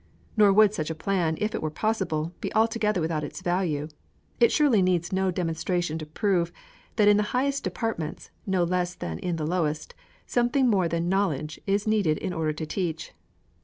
Nor would such a plan, if it were possible, be altogether without its value. It surely needs no demonstration to prove, that in the highest departments, no less than in the lowest, something more than knowledge is needed in order to teach.